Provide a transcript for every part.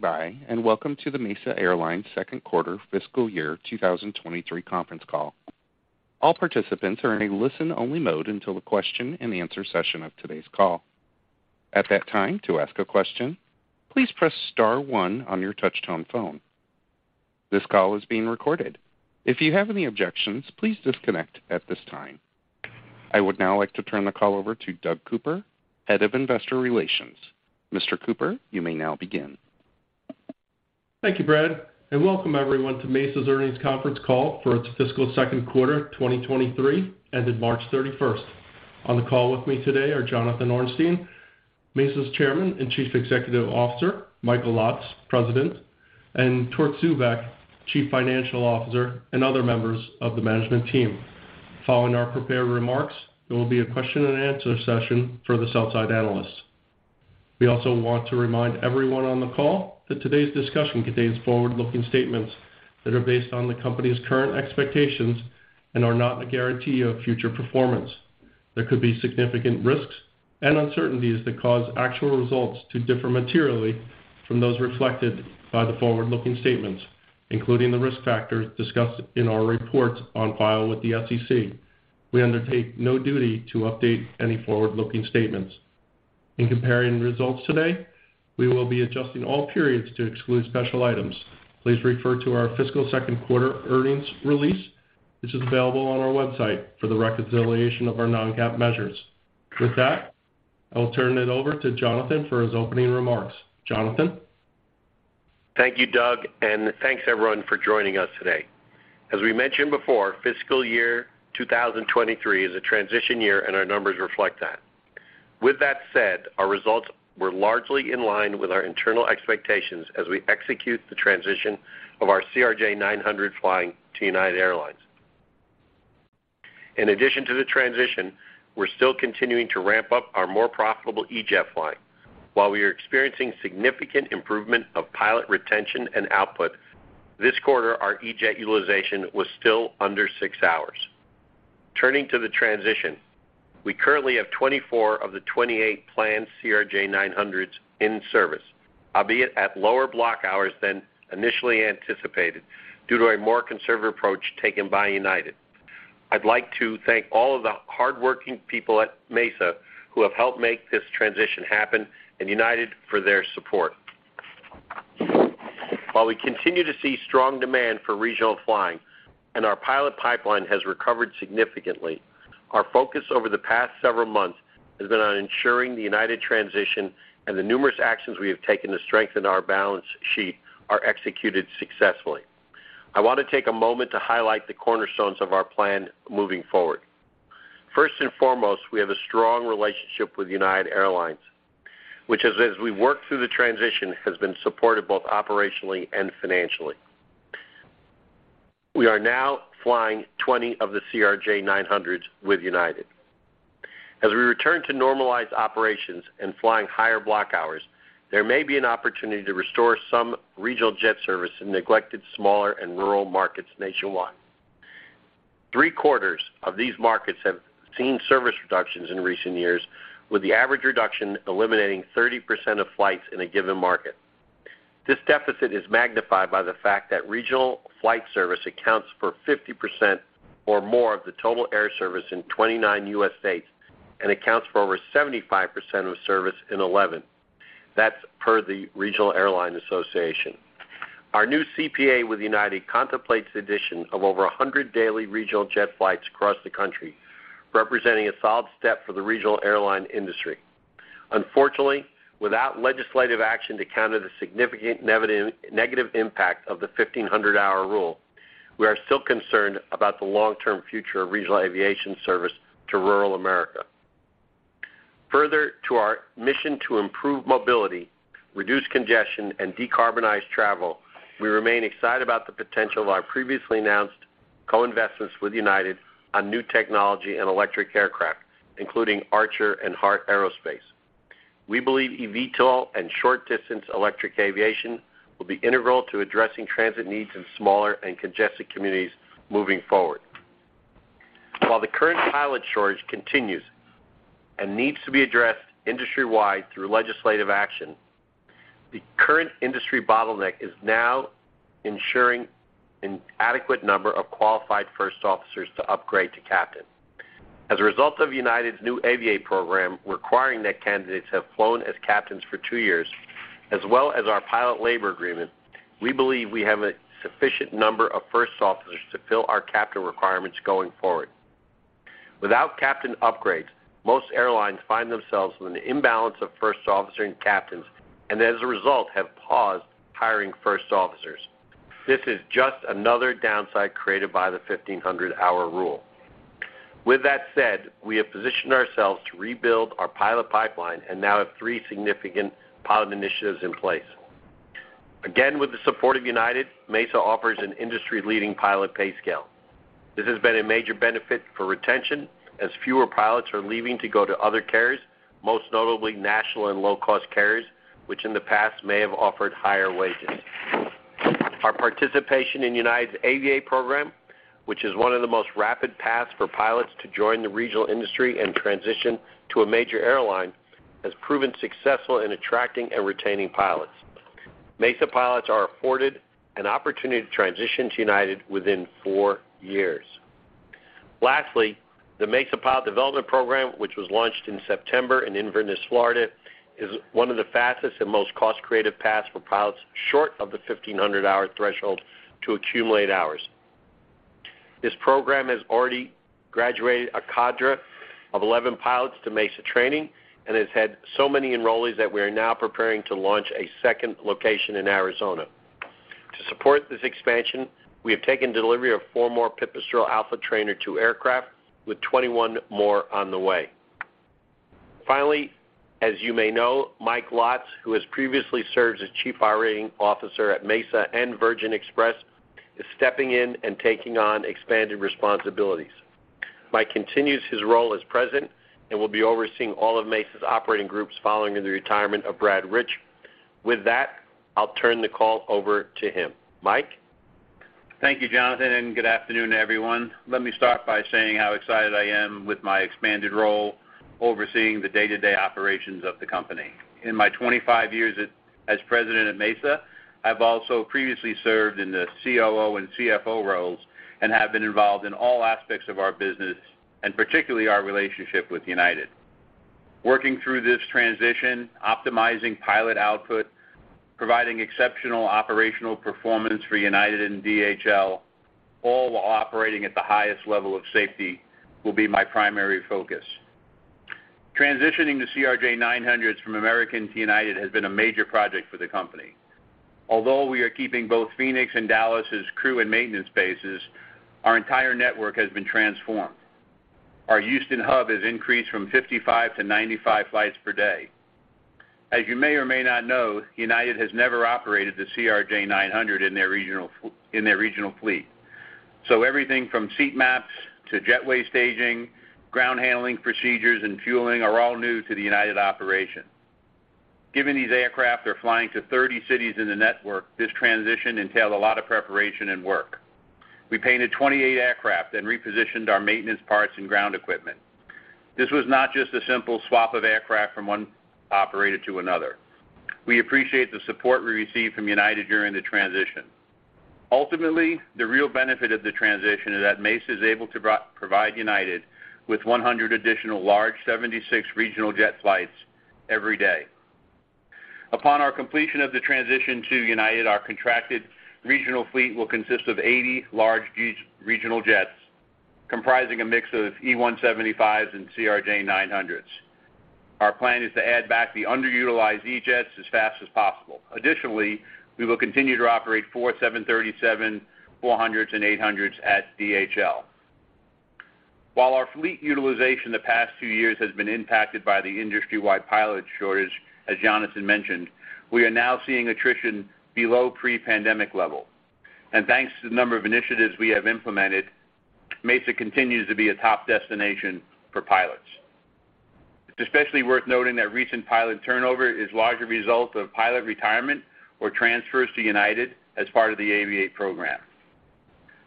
By and welcome to the Mesa Airlines second quarter fiscal year 2023 conference call. All participants are in a listen-only mode until the question-and-answer session of today's call. At that time, to ask a question, please press star one on your touch-tone phone. This call is being recorded. If you have any objections, please disconnect at this time. I would now like to turn the call over to Doug Cooper, Head of Investor Relations. Mr. Cooper, you may now begin. Thank you, Brad, and welcome everyone to Mesa's earnings conference call for its fiscal second quarter 2023 ended March 31st. On the call with me today are Jonathan Ornstein, Mesa's Chairman and Chief Executive Officer, Michael Lotz, President, and Torque Zubeck, Chief Financial Officer, and other members of the management team. Following our prepared remarks, there will be a question and answer session for the sell-side analysts. We also want to remind everyone on the call that today's discussion contains forward-looking statements that are based on the company's current expectations and are not a guarantee of future performance. There could be significant risks and uncertainties that cause actual results to differ materially from those reflected by the forward-looking statements, including the risk factors discussed in our reports on file with the SEC. We undertake no duty to update any forward-looking statements. In comparing results today, we will be adjusting all periods to exclude special items. Please refer to our fiscal second quarter earnings release, which is available on our website for the reconciliation of our non-GAAP measures. With that, I will turn it over to Jonathan for his opening remarks. Jonathan? Thank you, Doug, and thanks everyone for joining us today. As we mentioned before, fiscal year 2023 is a transition year, and our numbers reflect that. With that said, our results were largely in line with our internal expectations as we execute the transition of our CRJ900 flying to United Airlines. In addition to the transition, we're still continuing to ramp up our more profitable E-Jet flying. While we are experiencing significant improvement of pilot retention and output, this quarter our E-Jet utilization was still under six hours. Turning to the transition, we currently have 24 of the 28 planned CRJ900s in service, albeit at lower block hours than initially anticipated due to a more conservative approach taken by United. I'd like to thank all of the hardworking people at Mesa who have helped make this transition happen and United for their support. While we continue to see strong demand for regional flying and our pilot pipeline has recovered significantly, our focus over the past several months has been on ensuring the United transition and the numerous actions we have taken to strengthen our balance sheet are executed successfully. I wanna take a moment to highlight the cornerstones of our plan moving forward. First and foremost, Mesa has a strong relationship with United Airlines, which as we work through the transition, has been supported both operationally and financially. We are now flying 20 of the CRJ900s with United. As we return to normalized operations and flying higher block hours, there may be an opportunity to restore some regional jet service in neglected smaller and rural markets nationwide. Three-quarters of these markets have seen service reductions in recent years, with the average reduction eliminating 30% of flights in a given market. This deficit is magnified by the fact that regional flight service accounts for 50% or more of the total air service in 29 U.S. states and accounts for over 75% of service in 11. That's per the Regional Airline Association. Our new CPA with United contemplates addition of over 100 daily regional jet flights across the country, representing a solid step for the regional airline industry. Unfortunately, without legislative action to counter the significant negative impact of the 1,500-hour rule, we are still concerned about the long-term future of regional aviation service to rural America. Further to our mission to improve mobility, reduce congestion, and decarbonize travel, we remain excited about the potential of our previously announced co-investments with United on new technology and electric aircraft, including Archer and Heart Aerospace. We believe eVTOL and short-distance electric aviation will be integral to addressing transit needs in smaller and congested communities moving forward. While the current pilot shortage continues and needs to be addressed industry-wide through legislative action, the current industry bottleneck is now ensuring an adequate number of qualified first officers to upgrade to captain. As a result of United's new Aviate program requiring that candidates have flown as captains for two years as well as our pilot labor agreement, we believe we have a sufficient number of first officers to fill our captain requirements going forward. Without captain upgrades, most airlines find themselves with an imbalance of first officer and captains and as a result have paused hiring first officers. This is just another downside created by the 1,500-hour rule. With that said, we have positioned ourselves to rebuild our pilot pipeline and now have three significant pilot initiatives in place. Again, with the support of United, Mesa offers an industry-leading pilot pay scale. This has been a major benefit for retention as fewer pilots are leaving to go to other carriers, most notably national and low-cost carriers, which in the past may have offered higher wages. Our participation in United's Aviate program, which is one of the most rapid paths for pilots to join the regional industry and transition to a major airline, has proven successful in attracting and retaining pilots. Mesa pilots are afforded an opportunity to transition to United within four years. Lastly, the Mesa Pilot Development Program, which was launched in September in Inverness, Florida, is one of the fastest and most cost-creative paths for pilots short of the 1,500 hour threshold to accumulate hours. This program has already graduated a cadre of 11 pilots to Mesa Training and has had so many enrollees that we are now preparing to launch a second location in Arizona. To support this expansion, we have taken delivery of 4 more Pipistrel Alpha Trainer 2 aircraft with 21 more on the way. As you may know, Mike Lotz, who has previously served as Chief Operating Officer at Mesa and Virgin Express, is stepping in and taking on expanded responsibilities. Mike continues his role as President and will be overseeing all of Mesa's operating groups following the retirement of Brad Rich. With that, I'll turn the call over to him. Mike? Thank you, Jonathan, and good afternoon, everyone. Let me start by saying how excited I am with my expanded role overseeing the day-to-day operations of the company. In my 25 years as president at Mesa, I've also previously served in the COO and CFO roles and have been involved in all aspects of our business, and particularly our relationship with United. Working through this transition, optimizing pilot output, providing exceptional operational performance for United and DHL, all while operating at the highest level of safety, will be my primary focus. Transitioning the CRJ900s from American to United has been a major project for the company. Although we are keeping both Phoenix and Dallas' crew and maintenance bases, our entire network has been transformed. Our Houston hub has increased from 55 to 95 flights per day. As you may or may not know, United has never operated the CRJ900 in their regional fleet. Everything from seat maps to jetway staging, ground handling procedures, and fueling are all new to the United operation. Given these aircraft are flying to 30 cities in the network, this transition entailed a lot of preparation and work. We painted 28 aircraft and repositioned our maintenance parts and ground equipment. This was not just a simple swap of aircraft from one operator to another. We appreciate the support we received from United during the transition. Ultimately, the real benefit of the transition is that Mesa is able to provide United with 100 additional large 76 regional jet flights every day. Upon our completion of the transition to United, our contracted regional fleet will consist of 80 large regional jets comprising a mix of E175s and CRJ900s. Our plan is to add back the underutilized E-jets as fast as possible. Additionally, we will continue to operate four 737-400s and 800s at DHL. While our fleet utilization in the past few years has been impacted by the industry-wide pilot shortage, as Jonathan mentioned, we are now seeing attrition below pre-pandemic level. Thanks to the number of initiatives we have implemented, Mesa continues to be a top destination for pilots. It's especially worth noting that recent pilot turnover is largely a result of pilot retirement or transfers to United as part of the Aviate program.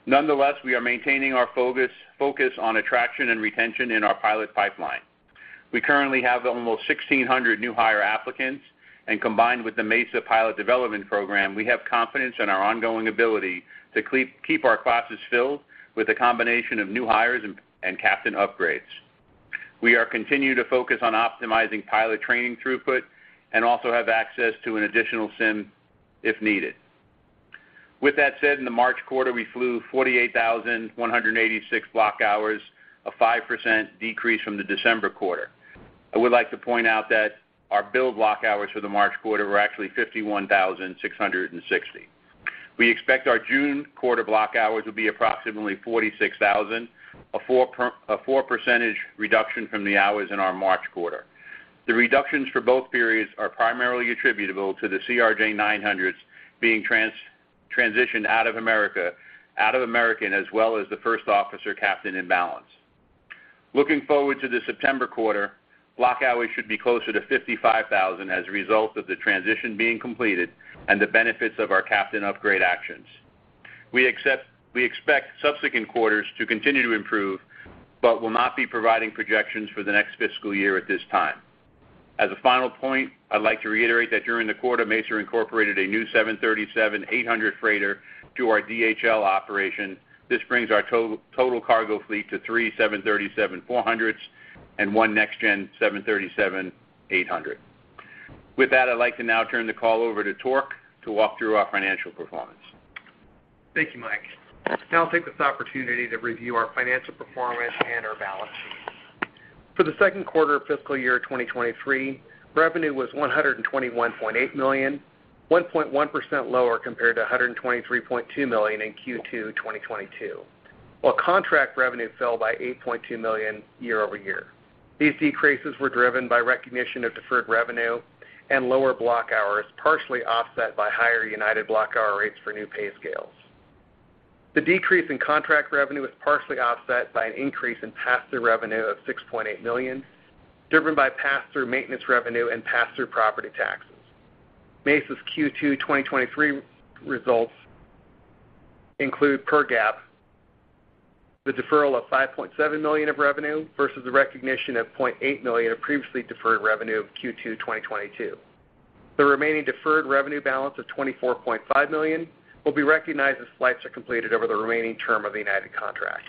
Nonetheless, we are maintaining our focus on attraction and retention in our pilot pipeline. We currently have almost 1,600 new hire applicants. Combined with the Mesa Pilot Development Program, we have confidence in our ongoing ability to keep our classes filled with a combination of new hires and captain upgrades. We are continuing to focus on optimizing pilot training throughput and also have access to an additional sim if needed. With that said, in the March quarter, we flew 48,186 block hours, a 5% decrease from the December quarter. I would like to point out that our billable block hours for the March quarter were actually 51,660. We expect our June quarter block hours will be approximately 46,000, a 4% reduction from the hours in our March quarter. The reductions for both periods are primarily attributable to the CRJ900s being transitioned out of American, as well as the first officer captain imbalance. Looking forward to the September quarter, block hours should be closer to 55,000 as a result of the transition being completed and the benefits of our captain upgrade actions. We expect subsequent quarters to continue to improve, but will not be providing projections for the next fiscal year at this time. As a final point, I'd like to reiterate that during the quarter, Mesa incorporated a new 737-800 freighter to our DHL operation. This brings our total cargo fleet to three 737-400s and one next gen 737-800. With that, I'd like to now turn the call over to Torque to walk through our financial performance. Thank you, Mike. I'll take this opportunity to review our financial performance and our balance sheet. For the second quarter of fiscal year 2023, revenue was $121.8 million, 1.1% lower compared to $123.2 million in Q2 2022, while contract revenue fell by $8.2 million year-over-year. These decreases were driven by recognition of deferred revenue and lower block hours, partially offset by higher United block hour rates for new pay scales. The decrease in contract revenue was partially offset by an increase in pass-through revenue of $6.8 million, driven by pass-through maintenance revenue and pass-through property taxes. Mesa's Q2 2023 results include per GAAP, the deferral of $5.7 million of revenue versus the recognition of $0.8 million of previously deferred revenue of Q2 2022. The remaining deferred revenue balance of $24.5 million will be recognized as flights are completed over the remaining term of the United contract.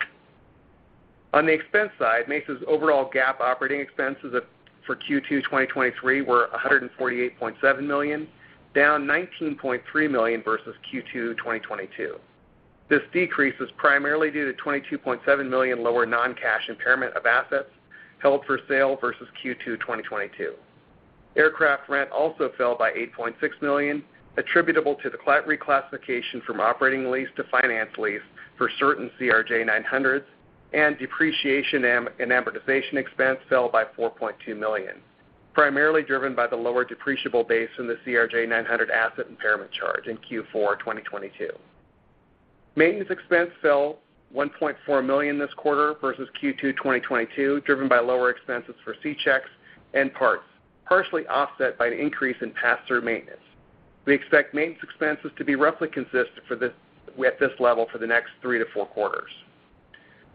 On the expense side, Mesa's overall GAAP operating expenses for Q2 2023 were $148.7 million, down $19.3 million versus Q2 2022. This decrease was primarily due to $22.7 million lower non-cash impairment of assets held for sale versus Q2 2022. Aircraft rent also fell by $8.6 million, attributable to the reclassification from operating lease to finance lease for certain CRJ900s, and depreciation and amortization expense fell by $4.2 million, primarily driven by the lower depreciable base in the CRJ900 asset impairment charge in Q4 2022. Maintenance expense fell $1.4 million this quarter versus Q2 2022, driven by lower expenses for C-checks and parts, partially offset by an increase in pass-through maintenance. We expect maintenance expenses to be roughly consistent at this level for the next three to 4 quarters.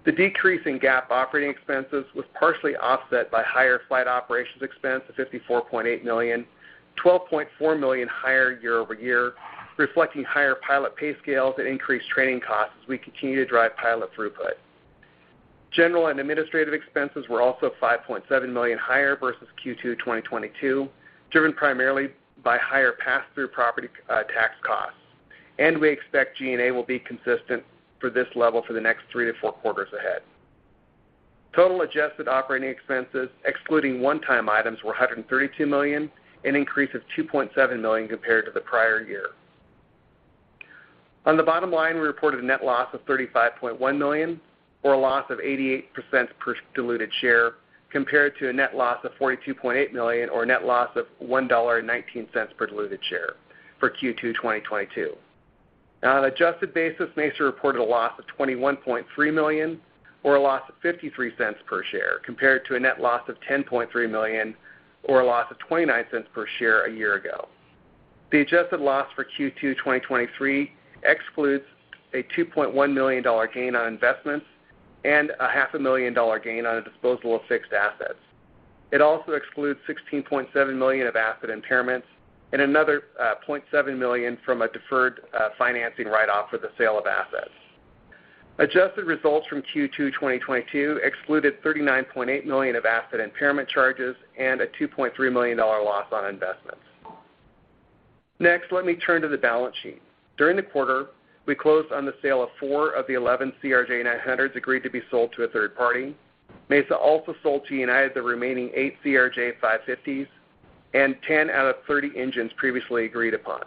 The decrease in GAAP operating expenses was partially offset by higher flight operations expense of $54.8 million, $12.4 million higher year-over-year, reflecting higher pilot pay scales and increased training costs as we continue to drive pilot throughput. General and administrative expenses were also $5.7 million higher versus Q2 2022, driven primarily by higher pass-through property tax costs. We expect G&A will be consistent for this level for the next three to 4 quarters ahead. Total adjusted operating expenses, excluding one-time items, were $132 million, an increase of $2.7 million compared to the prior year. On the bottom line, we reported a net loss of $35.1 million or a loss of 88% per diluted share, compared to a net loss of $42.8 million or a net loss of $1.19 per diluted share for Q2 2022. On an adjusted basis, Mesa reported a loss of $21.3 million or a loss of $0.53 per share, compared to a net loss of $10.3 million or a loss of $0.29 per share a year ago. The adjusted loss for Q2 2023 excludes a $2.1 million gain on investments and a half a million dollar gain on a disposal of fixed assets. It also excludes $16.7 million of asset impairments and another $0.7 million from a deferred financing write-off for the sale of assets. Adjusted results from Q2 2022 excluded $39.8 million of asset impairment charges and a $2.3 million loss on investments. Let me turn to the balance sheet. During the quarter, we closed on the sale of 4 of the 11 CRJ-900s agreed to be sold to a third party. Mesa also sold to United the remaining 8 CRJ-550s and 10 out of 30 engines previously agreed upon.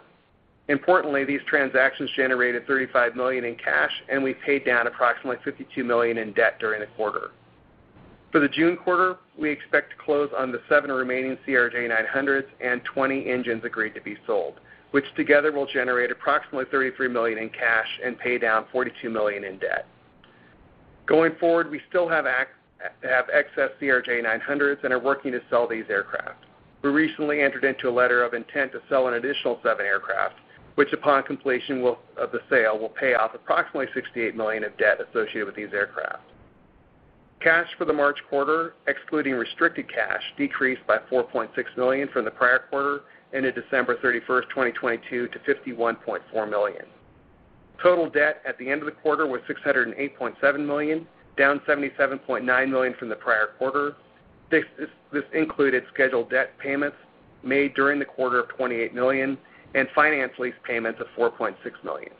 Importantly, these transactions generated $35 million in cash, and we paid down approximately $52 million in debt during the quarter. For the June quarter, we expect to close on the 7 remaining CRJ-900s and 20 engines agreed to be sold, which together will generate approximately $33 million in cash and pay down $42 million in debt. Going forward, we still have excess CRJ-900s and are working to sell these aircraft. We recently entered into a letter of intent to sell an additional 7 aircraft, which upon completion of the sale, will pay off approximately $68 million of debt associated with these aircraft. Cash for the March quarter, excluding restricted cash, decreased by $4.6 million from the prior quarter ended December 31st, 2022, to $51.4 million. Total debt at the end of the quarter was $608.7 million, down $77.9 million from the prior quarter. This included scheduled debt payments made during the quarter of $28 million and finance lease payments of $4.6 million.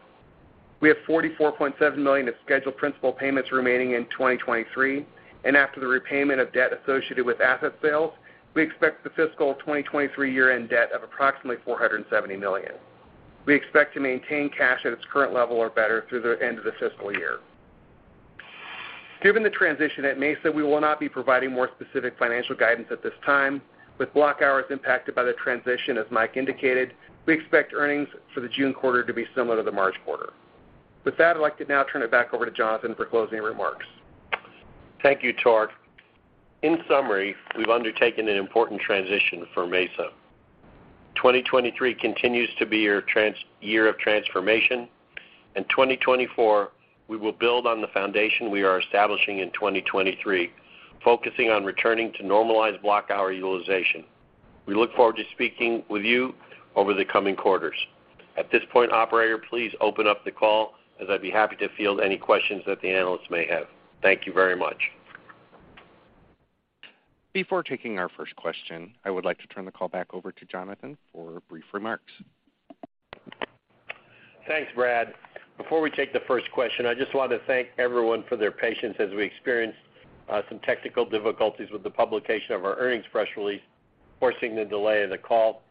We have $44.7 million of scheduled principal payments remaining in 2023, and after the repayment of debt associated with asset sales, we expect the fiscal 2023 year-end debt of approximately $470 million. We expect to maintain cash at its current level or better through the end of the fiscal year. Given the transition at Mesa, we will not be providing more specific financial guidance at this time. With block hours impacted by the transition, as Mike indicated, we expect earnings for the June quarter to be similar to the March quarter. With that, I'd like to now turn it back over to Jonathan for closing remarks. Thank you, Torque. In summary, we've undertaken an important transition for Mesa. 2023 continues to be a year of transformation, 2024, we will build on the foundation we are establishing in 2023, focusing on returning to normalized block hour utilization. We look forward to speaking with you over the coming quarters. At this point, operator, please open up the call as I'd be happy to field any questions that the analysts may have. Thank you very much. Before taking our first question, I would like to turn the call back over to Jonathan for brief remarks. Thanks, Brad. Before we take the first question, I just want to thank everyone for their patience as we experienced, some technical difficulties with the publication of our earnings press release, forcing the delay of the call.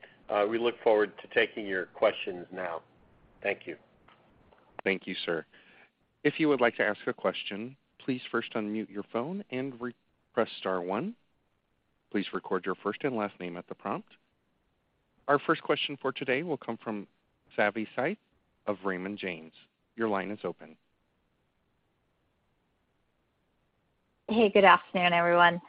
We look forward to taking your questions now. Thank you. Thank you, sir. If you would like to ask a question, please first unmute your phone and press star one. Please record your first and last name at the prompt. Our first question for today will come from Savi Syth of Raymond James. Your line is open. Hey, good afternoon, everyone.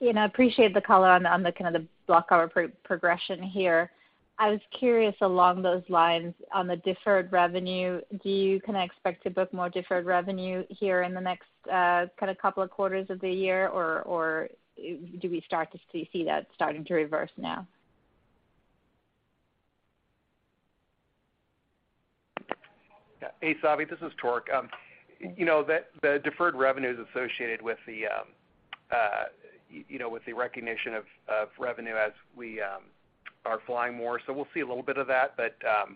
you know, appreciate the color on the kind of the block hour progression here. I was curious along those lines on the deferred revenue, do you kinda expect to book more deferred revenue here in the next, kind of couple of quarters of the year or, do we start to see that starting to reverse now? Yeah. Hey, Savi. This is Torque. you know, the deferred revenue is associated with the, you know, with the recognition of revenue as we are flying more. We'll see a little bit of that. I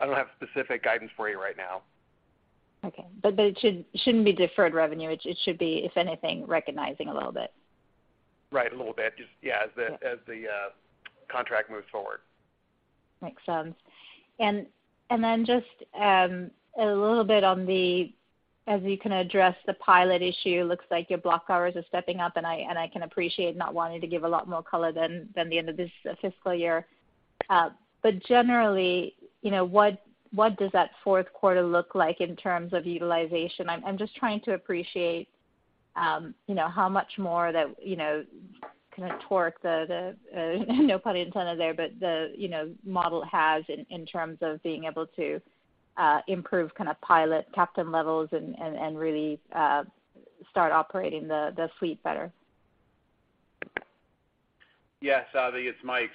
don't have specific guidance for you right now. Okay. It shouldn't be deferred revenue. It should be, if anything, recognizing a little bit. Right. A little bit just, yeah, as the. Yeah as the contract moves forward. Makes sense. Then just a little bit on the as you can address the pilot issue, looks like your block hours are stepping up, and I can appreciate not wanting to give a lot more color than the end of this fiscal year. Generally, you know, what does that fourth quarter look like in terms of utilization? I'm just trying to appreciate, you know, how much more that, you know, kind of torque the, no pun intended there, but the, you know, model has in terms of being able to improve kind of pilot captain levels and really start operating the fleet better. Yeah, Savi, it's Mike.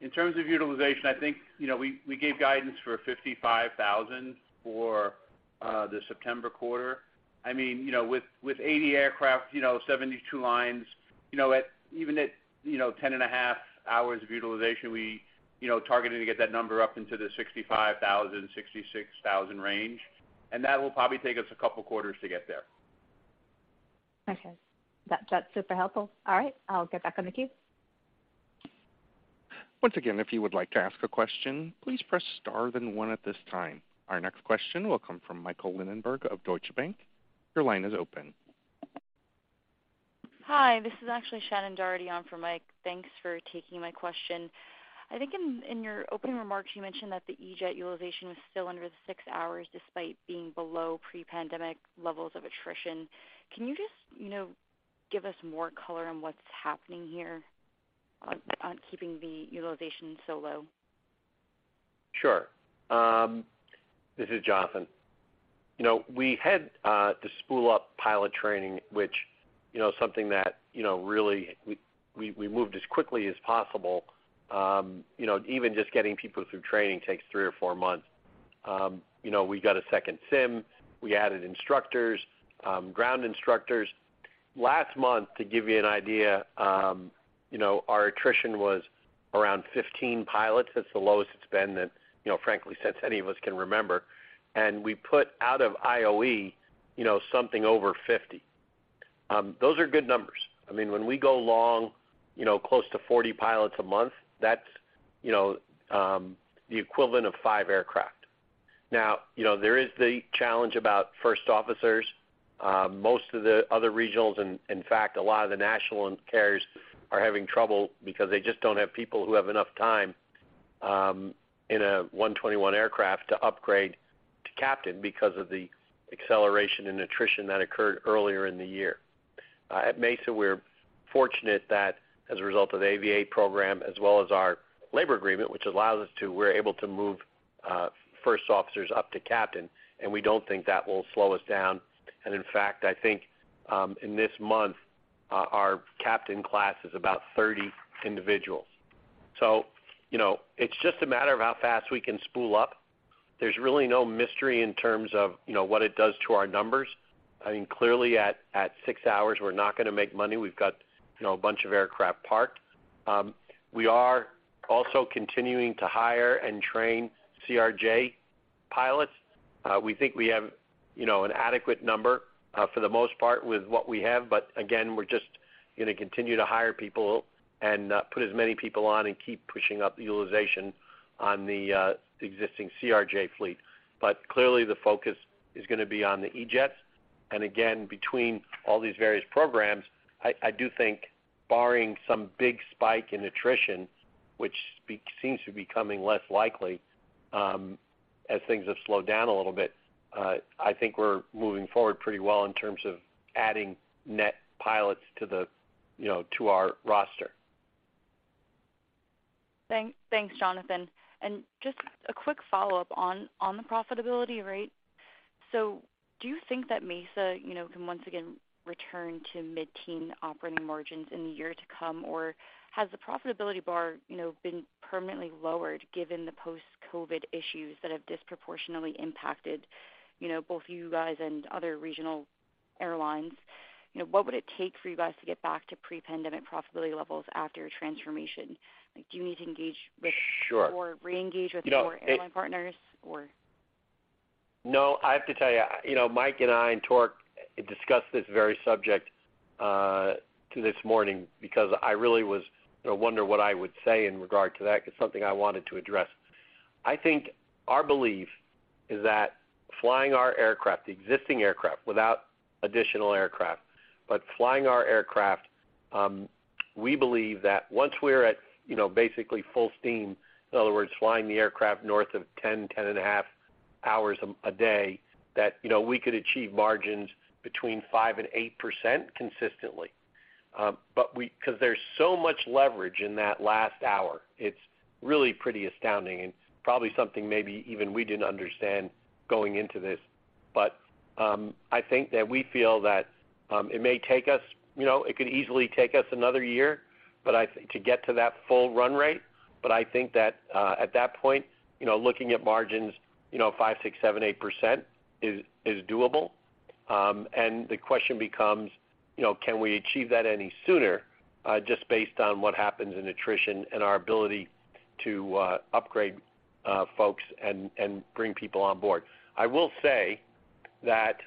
In terms of utilization, I think, you know, we gave guidance for 55,000 for the September quarter. I mean, you know, with 80 aircraft, you know, 72 lines, you know, even at, you know, 10.5 hours of utilization, we, you know, targeted to get that number up into the 65,000-66,000 range. That will probably take us a couple quarters to get there. Okay. That's super helpful. I'll get back on the queue. Once again, if you would like to ask a question, please press star then 1 at this time. Our next question will come from Michael Linenberg of Deutsche Bank. Your line is open. Hi, this is actually Shannon Doherty on for Mike. Thanks for taking my question. I think in your opening remarks you mentioned that the E-Jet utilization was still under the 6 hours despite being below pre-pandemic levels of attrition. Can you just, you know, give us more color on what's happening here on keeping the utilization so low? Sure. This is Jonathan. You know, we had to spool up pilot training, which, you know, is something that, you know, really we moved as quickly as possible. You know, even just getting people through training takes three or four months. You know, we got a second sim, we added instructors, ground instructors. Last month, to give you an idea, you know, our attrition was around 15 pilots. That's the lowest it's been that, you know, frankly since any of us can remember. We put out of IOE, you know, something over 50. Those are good numbers. I mean, when we go long, you know, close to 40 pilots a month, that's, you know, the equivalent of five aircraft. Now, you know, there is the challenge about first officers. Most of the other regionals, in fact, a lot of the national carriers are having trouble because they just don't have people who have enough time in a Part 121 aircraft to upgrade to captain because of the acceleration and attrition that occurred earlier in the year. At Mesa, we're fortunate that as a result of the Aviate program, as well as our labor agreement, we're able to move first officers up to captain, and we don't think that will slow us down. In fact, I think, in this month, our captain class is about 30 individuals. You know, it's just a matter of how fast we can spool up. There's really no mystery in terms of, you know, what it does to our numbers. I mean, clearly at six hours, we're not gonna make money. We've got, you know, a bunch of aircraft parked. We are also continuing to hire and train CRJ pilots. We think we have, you know, an adequate number, for the most part with what we have. Again, we're just gonna continue to hire people and put as many people on and keep pushing up the utilization on the existing CRJ fleet. Clearly the focus is gonna be on the E-Jets. Again, between all these various programs, I do think barring some big spike in attrition, which seems to be coming less likely, as things have slowed down a little bit, I think we're moving forward pretty well in terms of adding net pilots to the, you know, to our roster. Thanks, Jonathan. Just a quick follow-up on the profitability rate. Do you think that Mesa, you know, can once again return to mid-teen operating margins in the year to come? Has the profitability bar, you know, been permanently lowered given the post-COVID issues that have disproportionately impacted, you know, both you guys and other regional airlines? You know, what would it take for you guys to get back to pre-pandemic profitability levels after your transformation? Like, do you need to engage with- Sure... or re-engage. No, it-... more airline partners or? No, I have to tell you know, Mike and I and Torque discussed this very subject to this morning because I really was, you know, wonder what I would say in regard to that because something I wanted to address. I think our belief is that flying our aircraft, the existing aircraft without additional aircraft, but flying our aircraft, we believe that once we're at, you know, basically full steam, in other words, flying the aircraft north of 10.5 hours a day, that, you know, we could achieve margins between 5% and 8% consistently. Because there's so much leverage in that last hour, it's really pretty astounding, and probably something maybe even we didn't understand going into this. I think that we feel that, you know, it could easily take us another year to get to that full run rate. I think that, at that point, you know, looking at margins, you know, 5%, 6%, 7%, 8% is doable. And the question becomes, you know, can we achieve that any sooner, just based on what happens in attrition and our ability to upgrade folks and bring people on board? I will say that,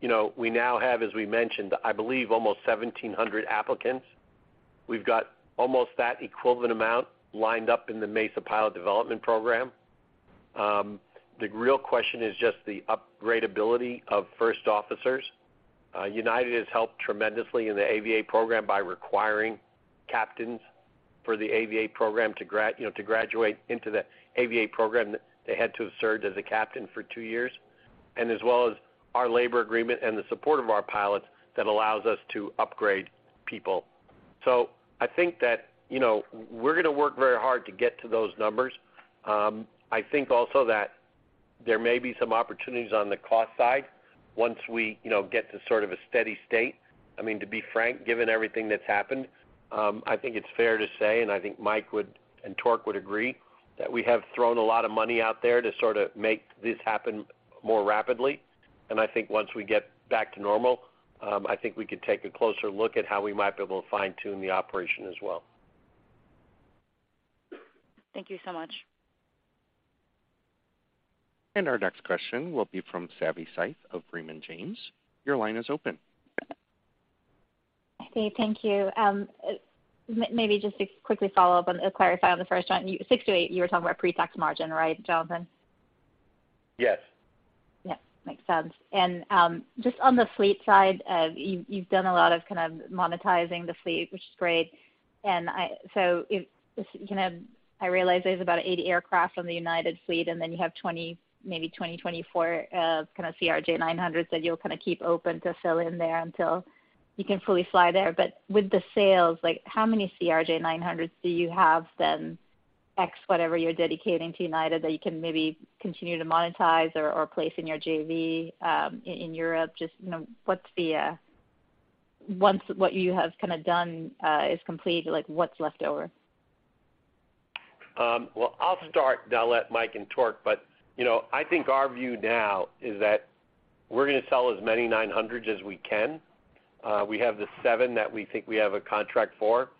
you know, we now have, as we mentioned, I believe almost 1,700 applicants. We've got almost that equivalent amount lined up in the Mesa Pilot Development Program. The real question is just the upgrade ability of first officers. United has helped tremendously in the Aviate program by requiring captains for the Aviate program to you know, to graduate into the Aviate program, they had to have served as a captain for two years, and as well as our labor agreement and the support of our pilots that allows us to upgrade people. I think that, you know, we're going to work very hard to get to those numbers. I think also that there may be some opportunities on the cost side once we, you know, get to sort of a steady state. I mean, to be frank, given everything that's happened, I think it's fair to say, and I think Mike would, and Torque would agree that we have thrown a lot of money out there to sort of make this happen more rapidly. I think once we get back to normal, I think we could take a closer look at how we might be able to fine-tune the operation as well. Thank you so much. Our next question will be from Savi Syth of Raymond James. Your line is open. Savi, thank you. Maybe just to quickly clarify on the first one. 6-8, you were talking about pre-tax margin, right, Jonathan? Yes. Yeah, makes sense. Just on the fleet side, you've done a lot of kind of monetizing the fleet, which is great. You know, I realize there's about 80 aircraft on the United fleet, and then you have 20, maybe 20, 24, kind of CRJ900 that you'll kind of keep open to fill in there until you can fully fly there. With the sales, like, how many CRJ900 do you have then X whatever you're dedicating to United that you can maybe continue to monetize or place in your JV in Europe? Just, you know, what's the once what you have kind of done is complete, like, what's left over? Well, I'll start, then I'll let Mike and Torque. You know, I think our view now is that we're going to sell as many nine hundreds as we can. We have the seven that we think we have a contract for.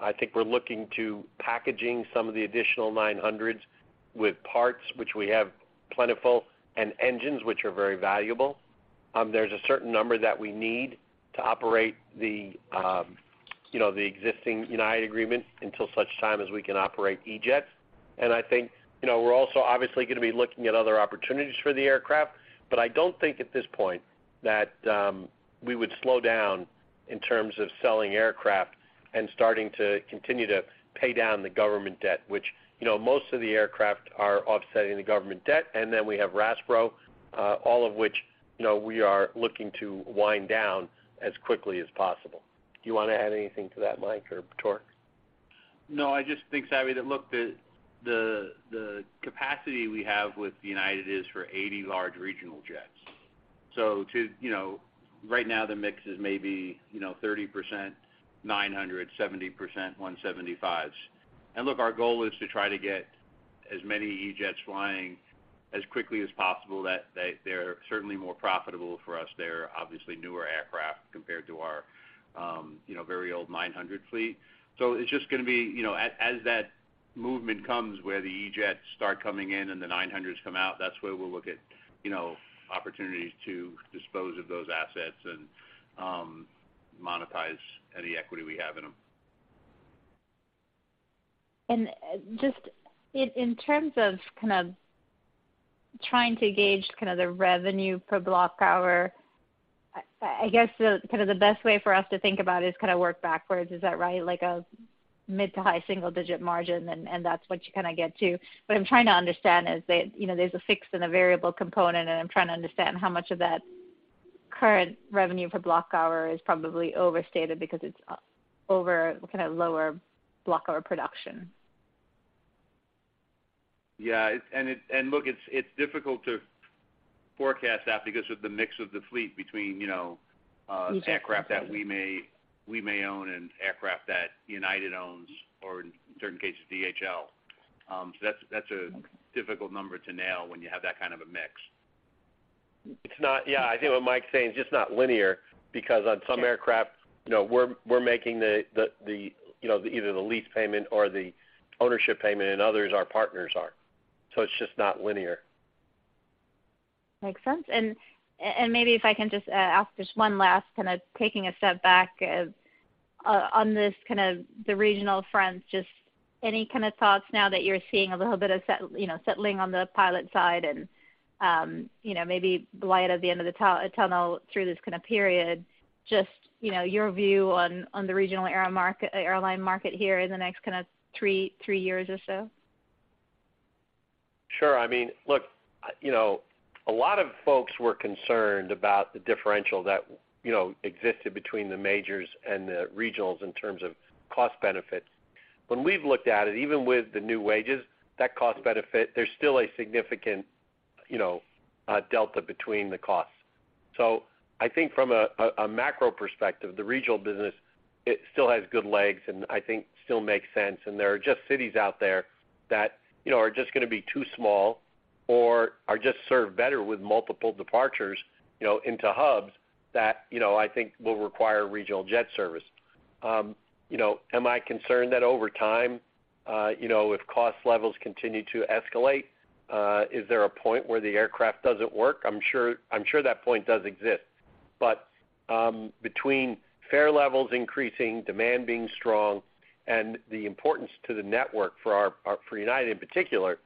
I think we're looking to packaging some of the additional nine hundreds with parts which we have plentiful and engines which are very valuable. There's a certain number that we need to operate the, you know, the existing United agreement until such time as we can operate E-Jets. I think, you know, we're also obviously going to be looking at other opportunities for the aircraft. I don't think at this point that we would slow down in terms of selling aircraft and starting to continue to pay down the government debt, which, you know, most of the aircraft are offsetting the government debt. We have RASPRO, all of which, you know, we are looking to wind down as quickly as possible. Do you want to add anything to that, Mike or Torque? No, I just think, Savi, that look, the capacity we have with United is for 80 large regional jets. To, you know, right now the mix is maybe, you know, 30% 900, 70% 175s. Look, our goal is to try to get as many E-jets flying as quickly as possible that they're certainly more profitable for us. They're obviously newer aircraft compared to our, you know, very old 900 fleet. It's just going to be, you know, as that movement comes where the E-jets start coming in and the 900s come out, that's where we'll look at, you know, opportunities to dispose of those assets and monetize any equity we have in them. Just in terms of kind of trying to gauge kind of the revenue per block hour, I guess kind of the best way for us to think about it is kind of work backwards. Is that right? Like a mid to high single digit margin, and that's what you kind of get to. What I'm trying to understand is that, you know, there's a fixed and a variable component, and I'm trying to understand how much of that current revenue per block hour is probably overstated because it's over kind of lower block hour production. Yeah, look, it's difficult to forecast that because of the mix of the fleet between, you know. Okay... aircraft that we may own and aircraft that United owns or in certain cases, DHL. That's a difficult number to nail when you have that kind of a mix. Yeah, I think what Mike's saying, it's just not linear because on some aircraft, you know, we're making the, you know, either the lease payment or the ownership payment, and others our partners are. It's just not linear. Makes sense. Maybe if I can just ask just 1 last kind of taking a step back, on this kind of the regional front, just any kind of thoughts now that you're seeing a little bit of you know, settling on the pilot side and, you know, maybe light at the end of the tunnel through this kind of period, just, you know, your view on the regional airline market here in the next kind of three years or so? Sure. I mean, look, you know, a lot of folks were concerned about the differential that, you know, existed between the majors and the regionals in terms of cost benefits. When we've looked at it, even with the new wages, that cost benefit, there's still a significant, you know, delta between the costs. I think from a macro perspective, the regional business, it still has good legs and I think still makes sense, and there are just cities out there that, you know, are just gonna be too small or are just served better with multiple departures, you know, into hubs that, you know, I think will require regional jet service. Am I concerned that over time, you know, if cost levels continue to escalate, is there a point where the aircraft doesn't work? I'm sure that point does exist. Between fare levels increasing, demand being strong, and the importance to the network for United in particular,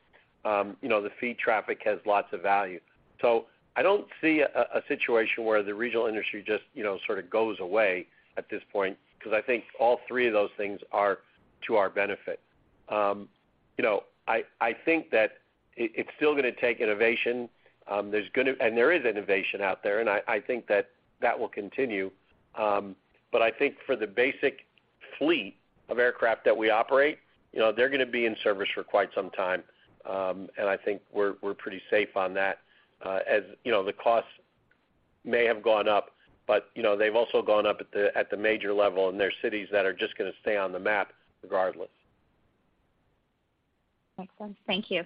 you know, the feed traffic has lots of value. I don't see a situation where the regional industry just, you know, sort of goes away at this point because I think all three of those things are to our benefit. You know, I think that it's still gonna take innovation, there is innovation out there, and I think that that will continue. I think for the basic fleet of aircraft that we operate, you know, they're gonna be in service for quite some time, and I think we're pretty safe on that. You know, the costs may have gone up. You know, they've also gone up at the major level. They're cities that are just gonna stay on the map regardless. Makes sense. Thank you.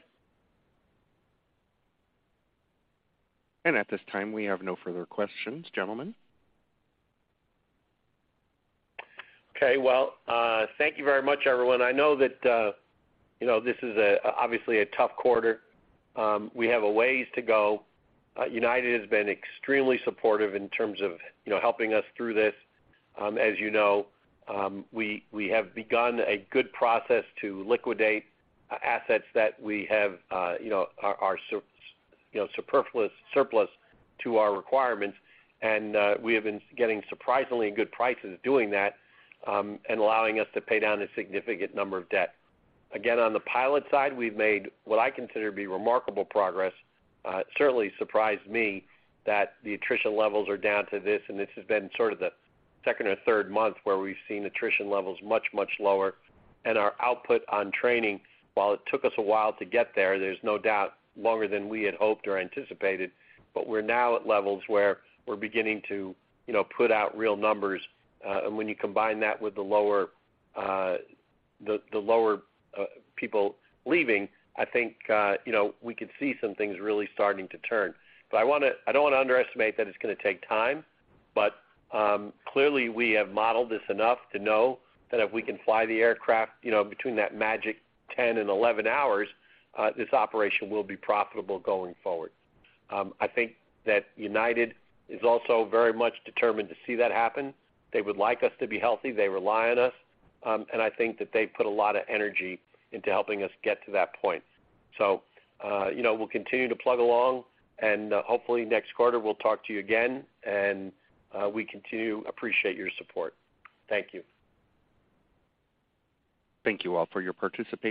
At this time, we have no further questions, gentlemen. Okay. Well, thank you very much, everyone. I know that, you know, this is obviously a tough quarter. We have a ways to go. United has been extremely supportive in terms of, you know, helping us through this. As you know, we have begun a good process to liquidate assets that we have, you know, are, you know, surplus to our requirements. We have been getting surprisingly good prices doing that, and allowing us to pay down a significant number of debt. Again, on the pilot side, we've made what I consider to be remarkable progress. Certainly surprised me that the attrition levels are down to this, and this has been sort of the second or third month where we've seen attrition levels much lower. Our output on training, while it took us a while to get there's no doubt longer than we had hoped or anticipated, but we're now at levels where we're beginning to, you know, put out real numbers. When you combine that with the lower, the lower people leaving, I think, you know, we could see some things really starting to turn. I don't wanna underestimate that it's gonna take time, but clearly we have modeled this enough to know that if we can fly the aircraft, you know, between that magic 10 and 11 hours, this operation will be profitable going forward. I think that United is also very much determined to see that happen. They would like us to be healthy. They rely on us. I think that they've put a lot of energy into helping us get to that point. You know, we'll continue to plug along and hopefully next quarter we'll talk to you again. We continue appreciate your support. Thank you. Thank you all for your participation.